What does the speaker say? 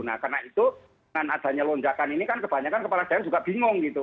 nah karena itu dengan adanya lonjakan ini kan kebanyakan kepala daerah juga bingung gitu